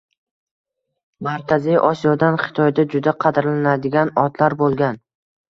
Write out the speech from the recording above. Markaziy Osiyodan Xitoyda juda qadrlanadigan otlar bo'lgan.